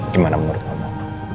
gimana menurut kamu